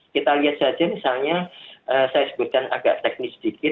kita lihat saja misalnya saya sebutkan agak teknis sedikit